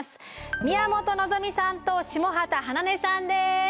宮本望美さんと下畑花音さんです。